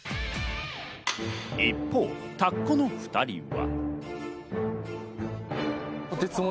一方、田子の２人は。